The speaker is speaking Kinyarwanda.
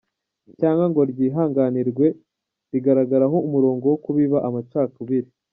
cyangwa ngo ryihanganirwe rigaragaraho umurongo wo kubiba amacakubiri.